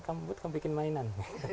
kamu buat kamu bikin mainan